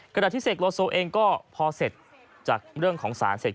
ขณะที่เสกโลโซเองก็พอเสร็จจากเรื่องของสารเสร็จ